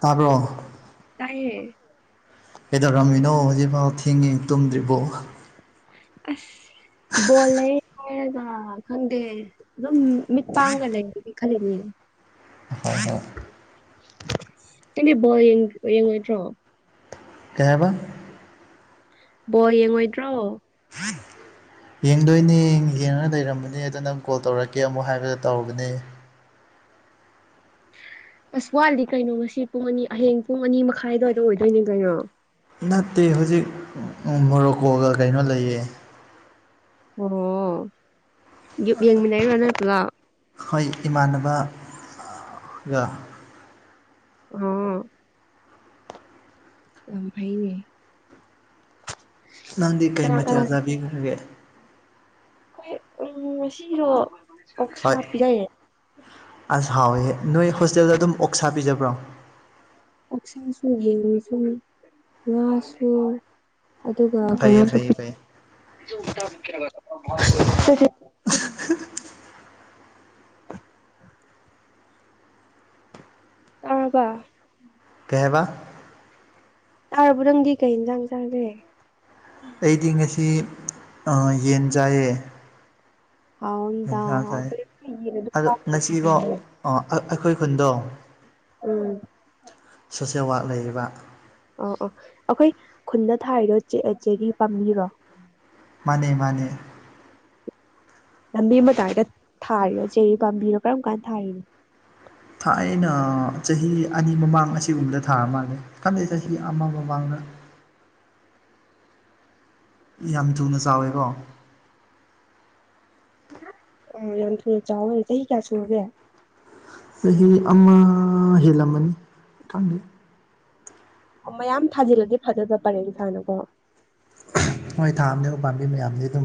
ꯇꯥꯕꯣ ꯇꯥꯏꯌꯦ ꯀꯩꯗꯧꯔꯝꯃꯤꯅꯣ ꯍꯧꯖꯤꯛꯐꯥꯎ ꯊꯦꯡꯉꯤ ꯇꯨꯝꯗ꯭ꯔꯤꯕꯣ ꯑꯁ ꯕꯣꯜ ꯂꯩ ꯍꯥꯏꯔꯒ ꯈꯪꯗꯦ ꯑꯗꯨꯝ ꯃꯤꯠ ꯄꯥꯡꯒ ꯂꯩꯒꯅꯤ ꯈꯜꯂꯤꯅꯦ ꯍ ꯀꯗꯤ ꯄꯜ ꯌꯦ ꯌꯦꯡꯉꯉꯇ꯭ꯔꯣ ꯀꯍꯕ ꯕꯣ ꯌꯦꯡꯉꯣꯏꯗ꯭ꯔꯣ ꯌꯦꯡꯗꯣꯏꯅꯦ ꯌꯦꯡꯉꯒ ꯂꯩꯔꯝꯕꯅꯤ ꯑꯗꯣ ꯅꯪ ꯀꯣꯜ ꯇꯧꯔꯛꯀꯦ ꯑꯃꯨꯛ ꯍꯥꯏꯕꯗ ꯇꯧꯔꯨꯒꯅꯦ ꯑꯁꯋꯥꯜꯗꯤ ꯀꯩꯅꯣ ꯉꯁꯤ ꯄꯨꯡ ꯑꯅꯤ ꯑꯍꯤꯡ ꯄꯨꯡ ꯑꯅꯤ ꯃꯈꯥꯏ ꯑꯗꯨꯋꯥꯏꯗ ꯑꯣꯏꯗꯣꯏꯅꯦ ꯀꯩꯅꯣ ꯅꯠꯇꯦ ꯍꯧꯖꯤꯛ ꯃꯣꯔꯣꯀꯣꯒ ꯀꯩꯅꯣ ꯂꯩꯌꯦ ꯑꯣ ꯌꯦꯡ ꯃꯤꯅꯅꯤ ꯌꯥ ꯑꯥ ꯐꯥꯏ ꯅꯪꯗꯤ ꯀꯩ ꯀꯅꯥ ꯀꯅꯥ ꯃꯊꯦꯜ ꯆꯥꯕꯤꯈ꯭ꯔꯒꯦ ꯑꯩꯈꯣꯏ ꯎꯝ ꯁꯤꯔꯣ ꯍꯣꯏ ꯑꯁ ꯍꯥꯎꯋꯦ ꯅꯣꯏ ꯍꯣꯁꯇꯦꯜꯗ ꯑꯗꯨꯝ ꯑꯣꯛꯁꯥ ꯄꯤꯖꯕ ꯕ꯭ꯔꯣꯝ ꯑꯣꯁꯥꯡꯁꯨ ꯌꯦꯉꯁꯨ ꯋꯥꯁꯨ ꯑꯗꯨꯒ ꯐꯩꯌꯦ ꯀꯩꯅꯣꯁꯨ ꯐꯩꯌꯦ ꯐꯩꯌꯦ [inaudible] [inaudible] ꯑꯥꯕ ꯄꯦꯍꯕꯥ ꯇꯥꯔꯕ ꯅꯪꯗꯤ ꯀꯩ ꯌꯦꯟꯁꯥꯡ ꯆꯥꯒꯦ ꯑꯩꯗꯤ ꯉꯁꯤ ꯌꯦꯟ ꯆꯥꯏꯌꯦ ꯍꯥꯎꯗ ꯌꯦꯟꯁꯥꯡ ꯆꯥꯏꯌꯦ ꯑꯗꯣ ꯉꯁꯤꯀꯣ ꯑꯩꯈꯣꯏ [unintelligible] ꯈꯨꯟꯗꯣ ꯎꯝ ꯁꯦꯋꯥꯠ ꯂꯩꯔꯤꯕ ꯑ ꯑ ꯑꯩꯈꯣꯏ ꯈꯨꯟꯗ ꯊꯥꯔꯤꯗꯣ ꯆꯦꯔꯤ ꯄꯥꯝꯕꯤꯔꯣ ꯃꯥꯅꯦ ꯃꯥꯅꯦ ꯂꯝꯕꯤ ꯃꯇꯥꯏꯗ ꯊꯥꯔꯤꯕꯥ ꯆꯦꯔꯤ ꯄꯥꯝꯕꯤꯅꯣ ꯀꯔꯝ ꯀꯥꯟꯗ ꯊꯥꯔꯤꯅꯣ ꯊꯥꯏꯅ ꯆꯍꯤ ꯑꯅꯤ ꯃꯃꯥꯡ ꯑꯁꯤꯒꯨꯝꯕꯗ ꯊꯥ ꯃꯥꯜꯂꯦ ꯈꯟꯗꯩ ꯆꯍꯤ ꯑꯃ ꯃꯃꯥꯡꯗ [inaudible] ꯌꯥꯝ ꯊꯨꯅ ꯆꯥꯎꯋꯦꯀꯣ ꯑꯣ ꯌꯥꯝ ꯊꯨꯅ ꯆꯧꯍꯦ ꯆꯍꯤ ꯀꯌꯥ ꯁꯨꯔꯥꯒꯦ ꯆꯍꯤ ꯑꯃꯃ ꯍꯦꯜꯂꯝꯃꯅꯤ ꯈꯪꯗꯦ ꯑꯣ ꯃꯌꯥꯝ ꯊꯥꯖꯤꯜꯂꯗꯤ ꯐꯗꯣꯏꯕ ꯄꯔꯦꯡ ꯁꯥꯥꯅꯀꯣ ꯍꯣꯏ ꯊꯥꯝꯅꯦ ꯎ ꯄꯥꯝꯕꯤ ꯃꯌꯥꯝꯗꯤ ꯑꯗꯨꯝ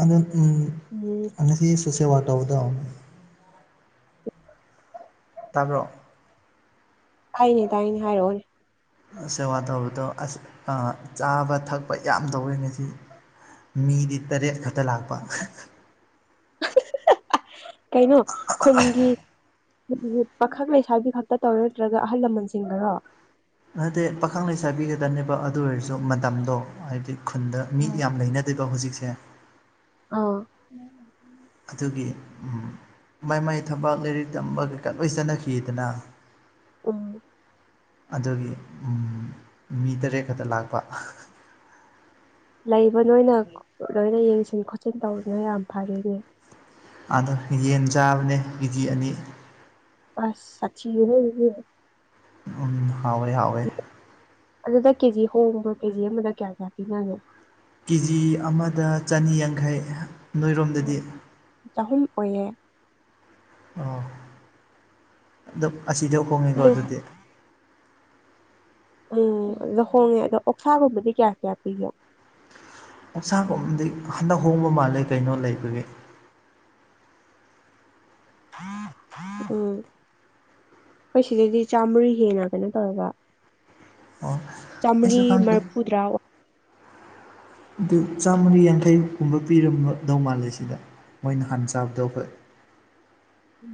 ꯑꯗ ꯎꯝ ꯎꯝ ꯉꯥꯁꯤ ꯁꯣꯁꯦꯜ ꯋꯥ ꯇꯥꯎꯗꯣ ꯇꯥꯕ꯭ꯔꯛ ꯇꯥꯏꯅꯦ ꯇꯥꯏꯅꯦ ꯍꯥꯏꯔꯛꯑꯣꯅꯦ ꯁꯦꯕꯥ ꯇꯧꯕꯗꯣ ꯑꯁ ꯆꯥꯕ ꯊꯛꯄ ꯌꯥꯝ ꯇꯧꯋꯦ ꯉꯁꯤ ꯃꯤꯗꯤ ꯇꯔꯦꯠ ꯈꯛꯇ ꯂꯥꯛꯄ ꯀꯩꯅꯣ ꯈꯨꯟꯒꯤ ꯄꯥꯈꯪ ꯂꯩꯁꯥꯕꯤ ꯈꯛꯇ ꯇꯧꯔ ꯅꯠꯇ꯭ꯔꯒ ꯑꯍꯜ ꯂꯃꯟꯁꯤꯡꯗꯔꯣ ꯅꯠꯇꯦ ꯄꯥꯈꯪ ꯂꯩꯁꯥꯕꯤ ꯈꯛꯇꯅꯦꯕ ꯑꯗꯨ ꯑꯣꯏꯔꯁꯨ ꯃꯇꯝꯗꯣ ꯍꯥꯏꯕꯗꯤ ꯈꯨꯟꯗ ꯃꯤ ꯎꯝ ꯌꯥꯝ ꯂꯩꯅꯗꯕ ꯍꯧꯖꯤꯛꯁꯦ ꯑꯥ ꯑꯗꯨꯒꯤ ꯃꯥꯏ ꯃꯥꯏ ꯊꯕꯥꯛ ꯂꯥꯏꯔꯤꯛ ꯇꯝꯕꯒ ꯀ ꯂꯣꯏ ꯆꯠꯅꯈꯤꯗꯅ ꯑꯥ ꯑꯗꯨꯒꯤ ꯃꯤ ꯇꯔꯦꯠ ꯈꯛꯇ ꯂꯥꯛꯄ ꯂꯩꯕ ꯅꯣꯏꯅ ꯂꯣꯏꯅ ꯌꯦꯡꯁꯤꯟ ꯈꯣꯠꯆꯤꯟ ꯇꯧꯕꯗꯅ ꯌꯥꯝ ꯐꯔꯅꯦ ꯑꯗꯣ ꯌꯦꯟ ꯆꯥꯕꯅꯦ ꯀꯦꯖꯤ ꯑꯅꯤ ꯑꯁ ꯆꯆꯤ ꯎꯝ ꯍꯥꯎꯋꯦ ꯍꯥꯎꯋꯦ ꯑꯗꯨꯗ ꯀꯦꯖꯤ ꯍꯣꯡꯕ꯭ꯔꯣ ꯀꯦꯖꯤ ꯑꯃꯗ ꯀꯌꯥ ꯀꯌꯥ ꯄꯤꯅꯒꯦ ꯀꯦꯖꯤ ꯑꯃꯗ ꯆꯅꯤꯌꯥꯡꯈꯩ ꯅꯣꯏꯔꯣꯝꯗꯗꯤ ꯑꯣ ꯆꯍꯨꯝ ꯑꯣꯏꯌꯦ ꯑꯣ ꯑꯁꯤꯗꯤ ꯍꯣꯡꯉꯤꯀꯣ ꯑꯗꯨ ꯑꯗꯨꯗꯤ ꯎꯝ ꯑꯗꯨ ꯂꯍꯣꯡꯉꯦ ꯑꯗꯣ ꯑꯣꯛꯁꯥꯒꯨꯝꯕꯗꯤ ꯀꯌꯥ ꯀꯌꯥ ꯄꯤꯒꯦ ꯑꯛꯆꯥꯡꯒ ꯑꯃꯗꯤꯗꯤ ꯍꯟꯗꯛ ꯍꯣꯡꯕ ꯃꯥꯜꯂꯦ ꯀꯩꯅꯣ ꯂꯩꯕꯒꯤꯦ ꯊꯥ ꯊꯥ ꯍꯈꯣꯏ ꯁꯤꯗꯩꯗꯤ ꯆꯥꯝꯃꯔꯤ ꯍꯦꯟꯅ ꯀꯩꯅꯣ ꯇꯧꯔꯒ ꯑꯣ ꯆꯥꯝꯃꯔꯤ ꯑꯩꯁꯨ ꯈꯪꯗꯦ ꯃꯔꯐꯨꯗ꯭ꯔꯥ ꯑꯗꯨ ꯆ ꯃꯨꯔꯤ ꯩꯒꯨꯝꯕ ꯄꯤꯔꯝꯒꯗꯧ ꯃꯥꯜꯜꯂꯤꯁꯤꯗ ꯃꯣꯏꯅ ꯍꯥꯟ ꯆꯥꯕꯗꯣ ꯑꯩꯈꯣꯏ ꯎ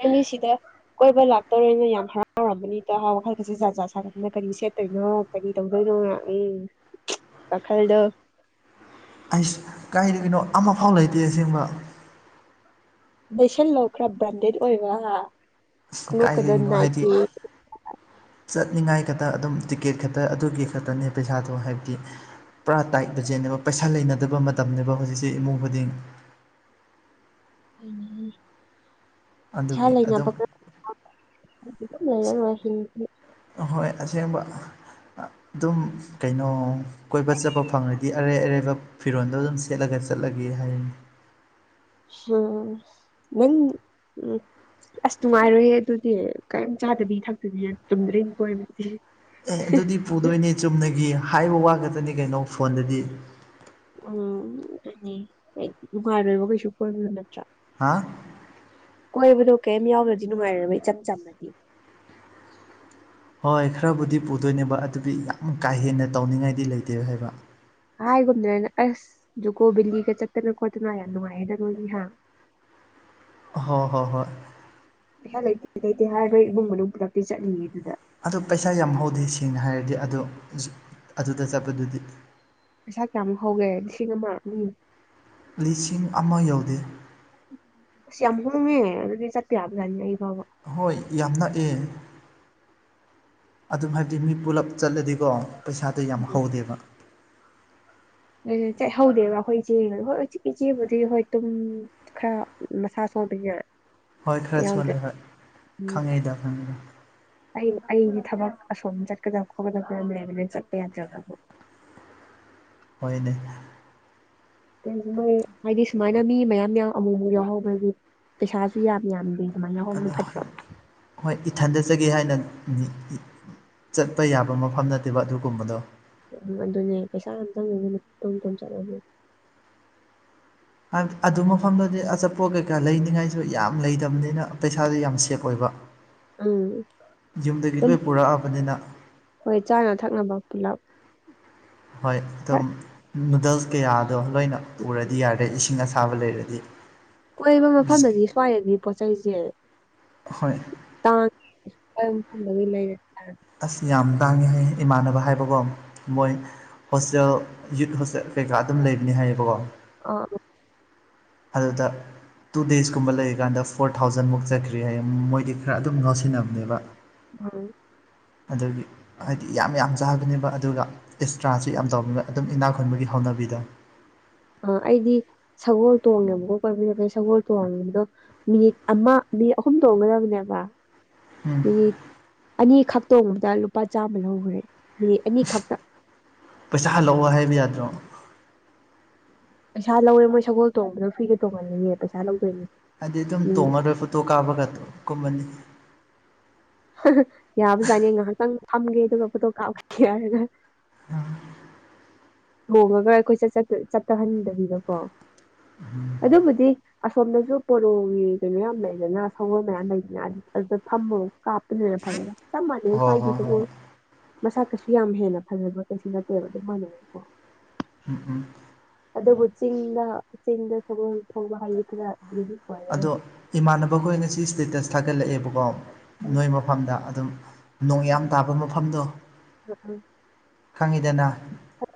ꯑꯦꯪꯅꯤꯁꯤꯗ ꯀꯣꯏꯕ ꯂꯥꯛꯇꯣꯔꯔꯣꯏꯅ ꯌꯥꯝ ꯍꯔꯥꯎ ꯥꯎꯔꯔꯕꯅꯤꯗ ꯋꯥꯈꯜ ꯈꯠꯁꯤ ꯖꯠ ꯖꯥ ꯁꯥꯒꯗꯅ ꯀꯔꯤ ꯁꯦꯠꯇꯣꯏꯅꯣ ꯀꯔꯤ ꯇꯧꯗꯣꯏꯅꯣ ꯉ ꯎꯝ ꯀꯈꯜꯗꯣ ꯑꯩꯁ ꯀꯥꯏꯗꯗꯒꯤꯅꯣ ꯑꯃꯐꯥꯎ ꯂꯩꯇꯦ ꯑꯁꯦꯡꯕ ꯂꯩꯁꯟꯂꯣ ꯈꯔ ꯕ꯭ꯔꯥꯟꯗꯦꯠ ꯑꯣꯏꯕ ꯑꯁ ꯈꯣꯛ ꯀꯥꯏꯗꯒꯤꯅꯣ ꯍꯥꯏꯗꯤ ꯀꯗꯏꯀꯤꯦ ꯆꯠꯅꯤꯡꯉꯥꯏ ꯈꯛꯇ ꯑꯗꯨꯝ ꯇꯤꯛꯀꯦꯠ ꯈꯛꯇ ꯑꯗꯨꯒꯤ ꯈꯛꯇꯅꯦ ꯄꯩꯁꯥꯗꯣ ꯍꯥꯏꯕꯗꯤ ꯄꯨꯔꯥ ꯇꯥꯏꯠ ꯕꯖꯦꯠꯅꯦꯕ ꯄꯩꯁꯥ ꯂꯩꯅꯗꯕ ꯃꯇꯝꯅꯤꯅꯦꯕ ꯍꯧꯖꯤꯛꯁꯦ ꯏꯃꯨꯡ ꯈꯨꯗꯤꯡ ꯍꯣꯏꯅꯤ ꯍ ꯏꯁꯩꯥ ꯑꯗꯨꯒꯤ ꯑꯗꯨꯝ ꯂꯩꯅꯕ ꯈ ꯂꯩꯔꯔꯣꯏ ꯍꯣꯏ ꯑꯁꯦꯡꯕ ꯑꯗꯨꯝ ꯀꯩꯅꯣ ꯀꯣꯏꯕ ꯆꯠꯄ ꯐꯪꯂꯉꯗꯤ ꯑꯔꯩ ꯑꯔꯩꯕ ꯐꯤꯔꯣꯟꯜꯗꯣ ꯑꯗꯨꯝ ꯁꯦꯠꯂꯒ ꯆꯠꯂꯒꯦ ꯍꯥꯏꯔꯤꯅꯤ ꯎꯝ ꯅꯪ ꯎꯝ ꯑꯁ ꯅꯨꯡꯉꯥꯏꯔꯣꯏ ꯑꯗꯨꯗꯤ ꯀꯔꯤꯝ ꯆꯥꯗꯕꯤ ꯊꯥꯛꯇꯕꯤ ꯇꯨꯝꯗ꯭ꯔꯔꯤꯝꯀꯣꯕꯗꯤ ꯑꯦ ꯑꯗꯨꯗꯤ ꯄꯨꯗꯣꯏꯅꯦ ꯆꯨꯝꯅꯒꯤ ꯍꯥꯏꯕ ꯋꯥ ꯈꯛꯇꯅꯤ ꯀꯩꯅꯣ ꯐꯣꯟꯗꯗꯤ ꯎꯝꯅꯤ ꯅꯨꯡꯉꯥꯏꯔꯣꯏꯕ ꯀꯩꯁꯨ ꯀꯣꯏꯅꯣ ꯅꯠꯇ꯭ꯔꯥ ꯍꯥ ꯀꯣꯏꯕꯅꯣ ꯀꯩꯝ ꯌꯥꯎꯗ꯭ꯔꯗꯤ ꯅꯨꯡꯉꯥꯏꯔꯕ ꯏꯆꯝ ꯆꯝꯅꯗꯤ ꯍꯣꯏ ꯈꯔꯕꯨꯗꯤ ꯄꯨꯗꯣꯏꯅꯦꯕ ꯑꯗꯨꯗꯤ ꯌꯥꯝ ꯀꯥ ꯍꯦꯟꯅ ꯇꯧꯅꯤꯡꯉꯥꯏꯗꯤ ꯂꯩꯇꯦꯕ ꯍꯥꯏꯕ ꯍꯥꯏꯒꯨꯝꯗꯅ ꯑꯁ ꯖꯨꯀꯣ ꯕꯤꯦꯂꯤꯒ ꯆꯠꯇꯅ ꯈꯣꯠꯇꯅ ꯌꯥꯝ ꯅꯨꯡꯉꯥꯏꯌꯦꯗ ꯅꯣꯏꯅꯤꯍ [unintelligible] ꯍꯣꯏ ꯍꯣꯏ ꯍꯣꯏ ꯄꯩꯁꯥ ꯂꯩꯇꯦ ꯂꯩꯇꯦ ꯍꯥꯏ꯭ꯔ ꯏꯃꯨꯡ ꯃꯅꯨꯡ ꯄꯨꯂꯛꯇꯤ ꯆꯠꯂꯤꯌꯦ ꯑꯗꯨꯗ ꯑꯗꯣ ꯄꯩꯁꯥ ꯌꯥꯝ ꯍꯧꯗꯦ ꯁꯦꯡꯅ ꯍꯥꯏꯔꯗꯤ ꯑꯗꯣ ꯑꯗꯨꯗ ꯆꯠꯄꯗꯨꯗꯤ ꯄꯩꯁꯥ ꯀꯌꯥꯃꯨꯛ ꯍꯧꯒꯦ ꯂꯤꯁꯤꯡ ꯑꯃ ꯑꯅꯤ ꯂꯤꯁꯤꯡ ꯑꯃ ꯌꯧꯗꯦ ꯁꯝꯍꯨ ꯃ ꯑꯗꯨ ꯆ ꯄꯌꯥꯕꯖꯅꯤ ꯌꯥ ꯍꯣꯏ ꯌꯥꯝ ꯅꯛꯑꯦ ꯑꯗꯨꯝ ꯍꯥꯏꯕꯗꯤ ꯃꯤ ꯄꯨꯂꯞ ꯆꯠꯂꯗꯤꯀꯣ ꯄꯩꯁꯥꯗꯣ ꯌꯥꯝ ꯍꯧꯗꯦꯕ ꯑꯗꯨ ꯆꯠꯍꯧꯗꯦꯕ ꯑꯩꯈꯣꯏ ꯏꯆꯦ ꯍꯣꯏ ꯎꯆꯦꯛ ꯏꯆꯦꯕꯨꯗꯤ ꯍꯣꯏ ꯇꯨꯝ ꯈꯔ ꯃꯁꯥ ꯗꯤꯒꯦ ꯍꯣꯏ ꯈꯔ ꯁꯣꯠꯂꯦ ꯍꯣꯏ ꯎꯝ ꯈꯪꯉꯤꯗ ꯈꯪꯉꯤꯗ ꯑꯩ ꯑꯩꯗꯤ ꯊꯕꯛ ꯑꯁꯣꯝ ꯆꯠꯀꯗꯕ ꯈꯣꯠꯀꯗꯕ ꯂꯩ ꯆꯠꯄ ꯌꯥꯗ꯭ꯔꯗꯕ [unintelligible] ꯀꯅꯦ ꯀꯩꯁꯨ ꯃꯣꯏ ꯍꯥꯏꯗꯤ ꯁꯨꯃꯥꯏꯅ ꯃꯤ ꯃꯌꯥꯝ ꯑꯃꯨꯛ ꯑꯃꯨꯛ ꯌꯥꯎꯍꯧꯕꯒꯤ ꯄꯩꯁꯥꯁꯨ ꯌꯥꯝ ꯌꯥꯝꯗꯤ ꯃꯥꯏꯅ ꯍꯅ ꯐꯠꯇ꯭ꯔꯣ ꯏ ꯊꯟꯗꯠꯆꯒꯦ ꯍꯥꯏꯅ ꯆꯠꯄ ꯌꯥꯕ ꯃꯐꯝ ꯅꯠꯇꯦꯕ ꯑꯗꯨꯒꯨꯝꯕꯗꯣ ꯎ ꯑꯗꯨꯅꯦ ꯄꯩꯁꯥ ꯑꯗꯨꯝꯇꯪꯉꯦ ꯑꯗꯨ ꯇꯨꯝ ꯇꯨꯝ ꯆꯠꯂ ꯑꯗꯨ ꯃꯐꯝꯗꯨꯗꯤ ꯑꯆꯥꯄꯣꯠ ꯀꯩꯀꯥ ꯂꯩꯅꯤꯉꯥꯏꯁꯨ ꯌꯥꯝ ꯂꯩꯇꯕꯅꯤꯅ ꯄꯩꯁꯥꯁꯨ ꯌꯥꯝ ꯁꯦꯐ ꯑꯣꯏꯕ ꯎꯝ ꯌꯨꯝꯗꯒꯤ ꯑꯗꯨꯝ ꯂꯣꯏ ꯄꯨꯔꯛꯑꯕꯅꯤꯅ ꯍꯣꯏ ꯆꯥꯅ ꯊꯛꯅꯕ ꯄꯨꯂꯞ ꯍꯣꯏ ꯑꯦꯗꯣ ꯅꯨꯗꯜꯁ ꯀꯌꯥꯗꯣ ꯂꯣꯏꯅ ꯄꯨꯔꯗꯤ ꯌꯥꯔꯦ ꯏꯁꯤꯡ ꯑꯁꯥꯕ ꯂꯩꯔꯗꯤ ꯀꯣꯏꯕ ꯕꯤꯁꯀꯤꯠ ꯃꯐꯝꯗꯗꯤ ꯁ꯭ꯋꯥꯏꯗꯗꯤ ꯄꯣꯠ ꯆꯩꯩꯁꯦ ꯍꯣꯏ ꯇꯥꯡꯉ ꯀꯝ ꯐꯪꯗꯗꯩ ꯂꯩꯔꯦ ꯑꯥ ꯑꯁ ꯌꯥꯝ ꯇꯥꯡꯉꯤ ꯍꯥꯏ ꯏꯃꯥꯟꯅꯕ ꯍꯥꯏꯕꯀꯣ ꯃꯣꯏ ꯍꯣꯁꯇꯦꯜ ꯌꯨꯠ ꯍꯣꯁꯇꯦꯜ ꯀꯩꯀꯥ ꯑꯗꯨꯝ ꯂꯩꯕꯅꯤ ꯍꯥꯏꯌꯦꯕꯀꯣ ꯑ ꯑꯗꯨꯗ ꯇꯨ ꯗꯦꯁꯀꯨꯝꯕ ꯂꯩꯔꯤꯀꯥꯟꯗ ꯐꯣꯔ ꯊꯥꯎꯖꯟꯃꯨꯛ ꯆꯠꯈ꯭ꯔꯦ ꯍꯥꯏꯌꯦ ꯃꯣꯏꯗꯤ ꯈꯔ ꯑꯗꯨꯝ ꯉꯥꯎꯁꯤꯟꯅꯕꯅꯦꯕ ꯎ ꯑꯗꯨꯒꯤ ꯍꯥꯏꯗꯤ ꯌꯥꯝ ꯌꯥꯝ ꯆꯥꯕꯅꯦꯕ ꯑꯗꯨꯒ ꯑꯦꯛꯁꯇ꯭ꯔꯥꯁꯤ ꯌꯥꯝ ꯇꯧꯕꯅꯤꯅ ꯑꯗꯨꯝ ꯏꯅꯥꯛꯈ ꯈꯨꯟꯕꯒꯤ ꯍꯧ ꯅꯕꯤꯗ [unintelligible] ꯑ ꯑꯩꯗꯤ ꯁꯒꯣꯜ ꯇꯣꯡꯉꯦꯕꯀꯣ ꯀꯣꯏꯕꯤꯔꯒꯦ ꯁꯒꯣꯜ ꯇꯣꯡꯕꯗꯣ ꯃꯤꯅꯤꯠ ꯑꯃ ꯃꯤ ꯑꯍꯨꯝ ꯇꯣꯡꯒꯗꯕꯅꯦꯕ ꯎꯝ ꯃꯤꯅꯤꯠ ꯑꯅꯤꯈꯛꯇꯣꯡꯕꯗ ꯂꯨꯄꯥ ꯆꯥꯝꯃ ꯂꯧꯈ꯭ꯔꯦ ꯃꯤꯅꯤꯠ ꯑꯅꯤꯈꯛꯇ ꯄꯩꯁꯥ ꯍꯜꯂꯛꯑꯣ ꯍꯥꯏꯕ ꯌꯥꯗ꯭ꯔꯣ ꯄꯩꯁꯥ ꯂꯧꯋꯦ ꯃꯣꯏ ꯁꯒꯣꯜ ꯇꯣꯡꯝꯕꯗꯣ ꯐ꯭ꯒꯦ ꯇꯣꯡꯉꯜꯂꯅꯦꯦ ꯄꯩꯁ ꯂꯧꯗꯣꯏꯅꯦ ꯍꯥꯏꯗꯤ ꯑꯗꯨꯝ ꯃꯤꯅꯤꯠ ꯇꯣꯡꯉꯔꯣꯏ ꯐꯣꯇꯣ ꯀꯥꯞꯄꯒ ꯀꯨꯝꯃꯅꯤ ꯌꯥꯕꯖꯥꯅꯤ ꯉꯥꯏꯍꯥꯛꯇꯪ ꯐꯝꯒꯦ ꯑꯗꯨꯒ ꯐꯣꯇꯣ ꯀꯥꯞꯒꯦ ꯍꯥꯏꯔꯒ ꯑ ꯊꯣꯡꯉꯒ ꯑꯩꯈꯣꯏ ꯆꯠꯇꯍꯟꯗꯕꯤꯗꯀꯣ ꯑꯗꯨꯕꯨꯗꯤ ꯑꯁꯣꯝꯗꯁꯨ ꯄꯣꯔꯣꯒꯤ ꯀꯩꯅꯣ ꯌꯥꯝ ꯂꯩꯗꯅ ꯁꯒꯣꯜ ꯃꯌꯥꯝ ꯂꯩꯗꯅ ꯑꯗꯨꯗ ꯐꯝꯃ ꯀꯥꯞ ꯑꯗꯨ ꯐꯔ ꯆ ꯃꯥꯖꯦ ꯍꯣꯏ ꯁ꯭ꯋꯥꯏꯗꯤ ꯍꯣꯏ ꯍꯣꯏ ꯁꯒꯣꯜ ꯃꯁꯥ ꯀꯩꯁꯨ ꯌꯥꯝ ꯍꯦꯟꯅ ꯐꯖꯕ ꯀꯩꯁꯨ ꯅꯠꯇꯦꯕ ꯑꯗꯨꯝꯅ ꯎꯝ ꯎꯝ ꯑꯗꯨꯕꯨ ꯆꯤꯡꯗ ꯆꯤꯡꯗ ꯁꯒꯣꯜ ꯊꯧꯕ ꯍꯥꯏ ꯑꯗꯣ ꯏꯃꯥꯟꯅꯕꯈꯣꯏꯅ ꯁꯤ ꯏꯁꯇꯦꯇꯁ ꯊꯥꯒꯠꯂꯛꯑꯦꯕꯀꯣ ꯎꯝ ꯅꯣꯏ ꯃꯐꯝꯗ ꯑꯗꯨꯝ ꯅꯣꯡ ꯌꯥꯝ ꯎꯝ ꯇꯥꯕ ꯃꯐꯝꯗꯣ ꯈꯪꯉꯤꯗꯅ ꯍ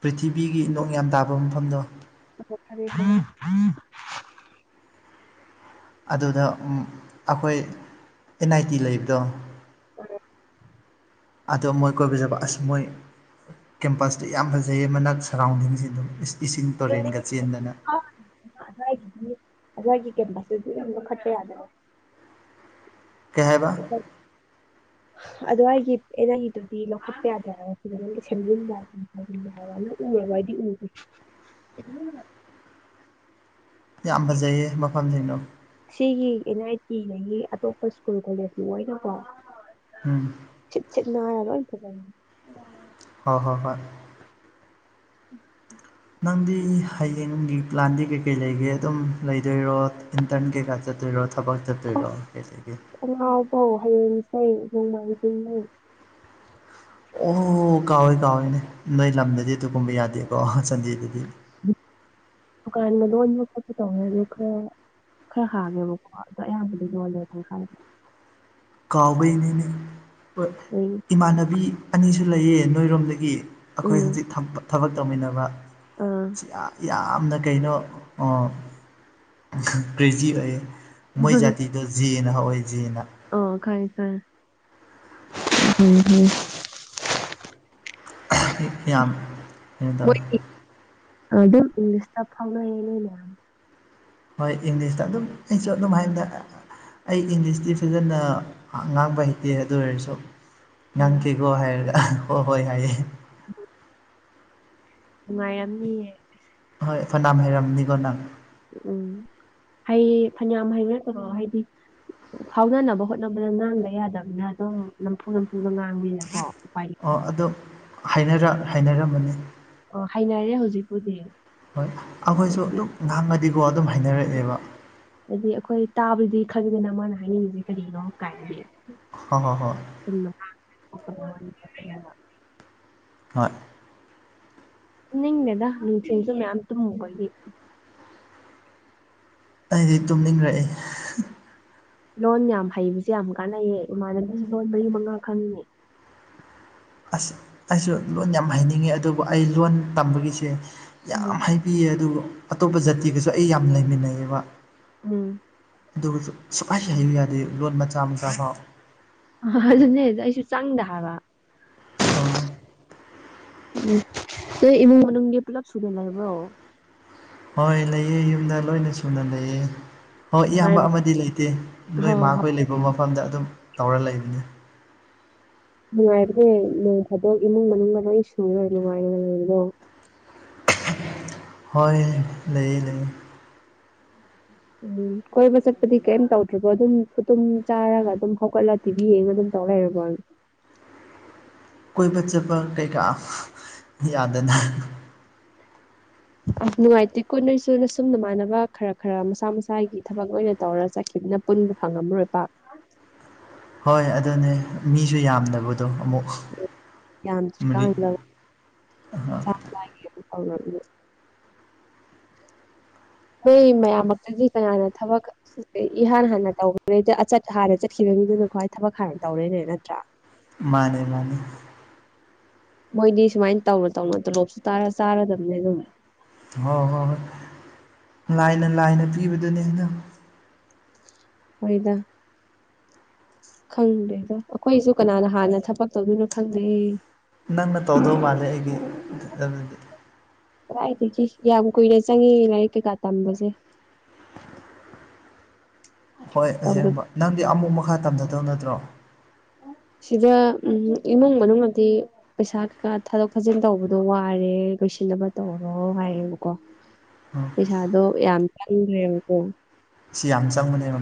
ꯄ꯭ꯔꯤꯊꯤꯕꯤꯒꯤ ꯅꯣꯡ ꯌꯥꯝ ꯇꯥꯕ ꯃꯐꯝꯗꯣ [inaudible] ꯑꯗꯨꯗ ꯑꯩꯈꯣꯏ ꯑꯦꯟ ꯑꯥꯏ ꯇꯤ ꯂꯩꯕꯗꯣ ꯎꯝ ꯑꯗꯣ ꯃꯣꯏ ꯀꯣꯏꯕꯤꯖꯕ ꯑꯁ ꯃꯣꯏ ꯀꯦꯝꯄꯁꯇ ꯌꯥꯝ ꯐꯖꯩ ꯃꯅꯥꯛ ꯁꯔꯥꯎꯟꯗꯤꯡꯁꯤ ꯑꯗꯨꯝ ꯏꯁꯤꯡ ꯇꯨꯔꯦꯟꯒ ꯆꯦꯟꯗꯅ [inaudible] ꯕꯁꯣ ꯈꯠꯇꯦ ꯌꯥꯗꯕ ꯀꯍ ꯍꯥꯏꯕ ꯑꯗꯣ ꯑꯩꯒꯤ ꯑꯦꯅꯒꯤꯗꯨꯗꯤ ꯂꯧꯈꯠꯄ ꯌꯥꯗꯦꯕ ꯐꯖ ꯅ ꯁꯦꯝꯖꯤꯟꯕꯟꯕ ꯌꯥꯔꯕ ꯎꯕꯗꯤ ꯎ ꯌꯥꯝ ꯐꯖꯩꯌꯦ ꯃꯐꯝꯁꯤꯡꯅꯣ ꯁꯤꯒꯤ ꯑꯦꯟ ꯑꯥꯏ ꯇꯤꯒꯤ ꯑꯇꯣꯞꯄ ꯁ꯭ꯀꯨꯜ ꯀꯣꯂꯦꯖꯀꯤ ꯑꯣꯏꯅꯀꯣ ꯎꯝ ꯅꯅꯥ ꯂ ꯆ ꯍꯣꯏ ꯍꯣꯏ ꯍꯣꯏ ꯎꯝ ꯅꯪꯗꯤ ꯍꯌꯦꯡꯒꯤ ꯄ꯭ꯂꯥꯟꯗꯤ ꯀꯩꯀꯩ ꯂꯩꯒꯦ ꯑꯗꯨꯝ ꯂꯩꯗꯣꯏꯔꯣ ꯏꯟꯇꯔꯟ ꯀꯩꯀꯥ ꯆꯠꯇꯣꯏꯔꯣ ꯊꯕꯛ ꯆꯠꯇꯣꯏꯔꯣ ꯑꯁ ꯀꯩ ꯂꯩꯒꯦ ꯑꯉꯥꯎꯕꯧ ꯍꯌꯦꯡꯁꯩ ꯅꯣꯡꯃꯥꯏꯖꯤꯡꯅꯤ ꯑꯣ ꯀꯥꯎꯏꯦ ꯀꯥꯎꯏꯦꯅꯦ ꯅꯣꯏ ꯂꯝꯗꯗꯤ ꯑꯗꯨꯒꯨꯝꯕ ꯌꯥꯗꯦꯀꯣ ꯁꯟꯗꯦꯗꯗꯤ ꯀ ꯂꯣꯟ ꯈ ꯇ ꯂ ꯈꯔ ꯍꯥꯡꯉꯦꯕꯀꯣ ꯑꯗꯣ ꯑꯌꯥꯝꯕꯗꯤ ꯌꯣꯜꯂꯦꯗꯪ ꯍꯥꯏꯕꯅꯦ ꯀꯥꯎꯕꯩꯅꯦꯅꯦ ꯑꯩ ꯏꯃꯥꯟꯅꯕꯤ ꯑꯅꯤꯁꯨ ꯂꯩꯌꯦ ꯅꯣꯏꯔꯣꯝꯗꯒꯤ ꯑꯩꯈꯣꯏ ꯎꯝ ꯍꯧꯖꯤꯛ ꯊꯕꯛ ꯇꯧꯃꯤꯟꯅꯕ ꯑꯥ ꯌꯥꯝꯅ ꯀꯩꯅꯣ ꯀ꯭ꯔꯦꯖꯤ ꯑꯣꯏꯌꯦ ꯃꯣꯏ ꯖꯥꯇꯤꯗꯣ ꯖꯤꯑꯅ ꯍꯏ ꯑꯣ ꯈꯥꯏ ꯈꯔ ꯌꯥꯝ ꯀꯩꯅꯣ ꯇꯧꯋꯤ ꯃꯣꯏꯗꯤ ꯑꯗꯨꯝ ꯏꯪꯂꯤꯁꯇ ꯐꯥꯎꯅꯌꯦꯅꯦꯅꯦ ꯍꯣꯏ ꯏꯪꯂꯤꯁꯇ ꯑꯗꯨꯝ ꯑꯩꯁꯨ ꯑꯗꯨꯝ ꯍꯥꯏꯅ ꯑꯩ ꯏꯪꯂꯤꯁꯇꯤ ꯐꯖꯅ ꯉꯥꯡꯕ ꯍꯩꯇꯦ ꯑꯗꯨ ꯑꯣꯏꯔꯁꯨ ꯎꯝ ꯉꯥꯡꯈꯤꯦꯀꯣ ꯍꯥꯏꯔꯒ ꯍꯣꯏ ꯍꯣꯏ ꯍꯥꯏꯌꯦꯦ [inaudible] ꯃꯥꯏ ꯌꯥꯝꯅꯤ ꯍꯣꯏ ꯐꯅꯝ ꯍꯩꯔꯝꯅꯤꯒꯣ ꯅꯪ ꯎꯝ ꯍꯩ ꯐꯅꯌꯥꯝ ꯍꯩꯕ ꯅꯠꯇꯣ ꯍꯥꯏꯗꯤ ꯐꯥꯎꯅꯅꯕ ꯍꯣꯠꯅꯕꯗ ꯉꯥꯡꯕ ꯌꯥꯗꯕꯅꯤꯅ ꯑꯗꯨꯝ ꯅꯝꯐꯨ ꯅꯝꯐꯨꯗꯣ ꯉꯥꯡꯕꯤꯅꯀꯣ ꯑꯣ ꯑꯗꯨꯣ ꯍꯥꯏꯅꯔꯝꯕꯅꯤ ꯑꯣ ꯍꯥꯏꯅꯔꯦ ꯍꯧꯖꯤꯛꯄꯨꯗꯤ ꯍꯣꯏ ꯑꯩꯈꯣꯏꯁꯨ ꯍꯥꯏꯗꯤ ꯑꯗꯨꯝ ꯉꯥꯡꯉꯗꯤꯀꯣ ꯑꯗꯨꯝ ꯍꯥꯏꯅꯔꯛꯑꯦꯕ ꯍꯥꯏꯗꯤ ꯑꯩꯈꯣꯏ ꯇꯥꯕꯗꯤ ꯈꯪꯈꯤꯗꯅ ꯃꯥꯅ ꯍꯥꯏꯅꯤꯡꯉꯤꯁꯦ ꯀꯔꯤꯅꯣ ꯀꯥꯏꯒ ꯍꯣꯏ ꯍꯣ ꯍꯣꯏ ꯑ ꯍꯣꯏ ꯅꯤꯡꯗꯦꯗ ꯅꯨꯡ ꯆꯤꯟꯁꯨ ꯃꯌꯥꯝ ꯇꯨꯝꯨꯕꯒꯤ ꯑꯩꯗꯤ ꯇꯨꯝꯅꯤꯡꯔꯛꯏ ꯂꯣꯟ ꯌꯥꯝ ꯍꯩꯕꯁꯦ ꯌꯥꯝ ꯀꯥꯟꯅꯩꯌꯦ ꯏꯃꯥꯟꯅꯕꯤ ꯂꯣꯟ ꯃꯔꯤ ꯃꯉꯥ ꯈꯪꯉꯦ ꯑꯁ ꯑꯩꯁꯨ ꯂꯣꯟ ꯌꯥꯝ ꯍꯩꯅꯤꯡꯉꯤ ꯑꯗꯨꯕꯨ ꯑꯩ ꯂꯣꯟ ꯇꯝꯕꯒꯤꯁꯦ ꯎꯝ ꯌꯥꯝ ꯍꯥꯏꯕꯤꯌꯦ ꯑꯗꯨꯒ ꯑꯇꯣꯞꯄ ꯖꯥꯇꯤꯒꯁꯨ ꯑꯩ ꯌꯥꯝ ꯂꯩꯃꯤꯟꯅꯩꯑꯕ ꯎꯝ ꯑꯗꯨꯒ ꯁꯨꯛꯍꯥꯏ ꯍꯥꯏꯌꯨ ꯌꯥꯗꯦ ꯂꯣꯟ ꯃꯆꯥ ꯃꯆꯥ ꯐꯥꯎ ꯑꯗꯨꯅꯦ ꯑꯩꯁꯨ ꯆꯪꯗ ꯍꯥꯏꯕ ꯑꯣ ꯍꯣꯏ ꯏꯃꯨꯡ ꯃꯅꯨꯡꯒꯤ ꯄꯨꯜꯂꯞ ꯁꯨꯅ ꯂꯩꯕ꯭ꯔꯣ ꯍꯣꯏ ꯂꯩꯑꯦ ꯌꯨꯝꯗ ꯂꯣꯏꯅ ꯁꯨꯅ ꯂꯩꯌꯦ ꯍꯣꯏ ꯏꯌꯥꯝꯕ ꯅꯨꯡꯉꯥꯏꯕ ꯑꯃꯗꯤ ꯂꯩꯇꯦ ꯅꯣꯏ ꯍꯣꯏ ꯍꯣꯏ ꯃꯥꯈꯣꯏ ꯂꯩꯕ ꯃꯐꯝꯗ ꯑꯗꯨꯝ ꯇꯧꯔ ꯂꯩꯕꯅꯤ ꯅꯨꯡꯉꯥꯏꯕ꯭ꯔꯦ ꯅꯣꯡ ꯐꯥꯗꯣꯛ ꯏꯃꯨꯡ ꯃꯅꯨꯡ ꯂꯣꯏ ꯁꯨꯔꯣꯏ ꯅꯨꯡꯉꯥꯏꯔ ꯂꯩꯗꯣ ꯍꯣꯏ ꯂꯩ ꯂꯩ ꯎꯝ ꯀꯣꯏꯕ ꯆꯠꯄꯗꯤ ꯀꯩꯝ ꯇꯧꯗ꯭ꯔꯤꯕꯣ ꯑꯗꯨꯝ ꯐꯨꯇꯨꯝ ꯆꯥꯔꯒ ꯑꯗꯨꯝ ꯍꯧꯒꯠꯂ ꯇꯤꯚꯤ ꯌꯦꯡꯉꯒ ꯑꯗꯨꯝ ꯇꯂ ꯄꯅꯤ ꯀꯣꯏꯕ ꯆꯠꯄ ꯀꯩꯀꯥ ꯌꯥꯗꯅ ꯑ ꯅꯨꯡꯉꯥꯏꯇꯦ ꯀꯨꯠꯅꯁꯨꯅꯁꯨꯝ ꯅꯃꯥꯟꯅꯕ ꯈꯔ ꯈꯔ ꯃꯁꯥ ꯃꯁꯥꯒꯤ ꯊꯕꯛ ꯑꯣꯏꯅ ꯇꯧꯔ ꯆꯠꯈꯤ ꯍꯧꯛꯅ ꯄꯨꯟꯕ ꯐꯪꯉꯝꯔꯣꯏ ꯄ ꯍꯣꯏ ꯑꯗꯨꯅꯦ ꯃꯤꯁꯨ ꯌꯥꯝꯗꯕ ꯠꯇ ꯑꯃꯨꯛ ꯃꯔꯤ ꯌꯥꯝꯗ꯭ꯔꯤꯀꯥꯟꯗ ꯍꯗꯗꯤ ꯑꯩꯈꯣꯏ ꯃꯌꯥꯝꯃꯛꯇꯗꯤ ꯀꯅꯥꯅ ꯊꯕꯛ ꯏꯍꯥꯟ ꯍꯥꯟꯅ ꯇꯧꯈꯦꯗ ꯑꯆꯠ ꯍꯥꯟꯔ ꯆꯠꯈꯤꯕ ꯃꯤꯗꯨꯅ ꯈ꯭ꯋꯥ ꯊꯕꯛ ꯈꯔ ꯇꯧꯔꯦꯅꯦ ꯅꯠꯇ꯭ꯔꯥ ꯃꯥꯅꯦ ꯃꯥꯅꯦ ꯃꯣꯏꯗꯤ ꯁꯨꯃꯥꯏꯅ ꯇꯧꯅ ꯇꯧꯅ ꯇꯣꯂꯣꯞꯁꯨ ꯆꯥꯔꯗꯕꯅꯦ ꯑꯗꯨꯝ ꯍꯣꯏ ꯍꯣꯏ ꯍꯣꯏ ꯂꯥꯏꯅ ꯂꯥꯏꯅ ꯄꯤꯕꯗꯨꯅꯤ ꯑꯩꯅ ꯑꯣꯏꯗ ꯈꯪꯗꯦꯗ ꯑꯩꯈꯣꯏꯁꯨ ꯀꯅꯥꯅ ꯍꯥꯟꯅ ꯊꯕꯛ ꯇꯧꯗꯣꯏꯅꯣ ꯈꯪꯗꯦ ꯅꯪꯅ ꯇꯧꯗꯧ ꯃꯥꯜꯂꯦ ꯑꯩꯒꯤ ꯑꯗꯨꯗꯤ ꯀꯗꯥꯏꯗꯒꯤ ꯌꯥꯝ ꯀꯨꯏꯅ ꯆꯪꯏ ꯂꯥꯏꯔꯤꯛ ꯀꯩꯀꯥ ꯇꯝꯕꯁꯦ ꯍꯣꯏ ꯇꯧꯗ ꯑꯁꯦꯡꯕ ꯅꯪꯗꯤ ꯑꯃꯨꯛ ꯃꯈꯥ ꯇꯝꯊꯗꯧ ꯅꯠꯇ꯭ꯔꯣ ꯑ ꯁꯤꯗ ꯎꯝ ꯏꯃꯨꯡ ꯃꯅꯨꯡꯗꯤ ꯄꯩꯁꯥ ꯀꯩꯀꯥ ꯊꯥꯗꯣꯛ ꯊꯥꯖꯤꯟ ꯇꯧꯕꯗꯣ ꯋꯥꯔꯦ ꯁꯤꯟꯅꯕ ꯇꯧꯔꯣ ꯍꯥꯏꯌꯦꯕꯀꯣ ꯎꯝ ꯄꯩꯁꯥꯗꯣ ꯌꯥꯝ ꯆꯪꯈ꯭ꯔꯦꯕꯀꯣ ꯁꯤ ꯌꯥꯝ ꯆꯪ ꯃ